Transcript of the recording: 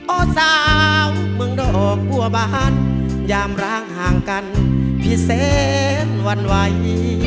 อสาวเมืองดอกบัวบานยามร้างห่างกันพิเศษวันไหว